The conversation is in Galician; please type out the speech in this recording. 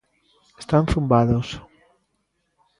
Están zumbados.